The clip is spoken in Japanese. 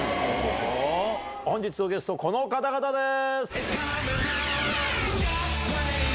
本日のゲスト、この方々です。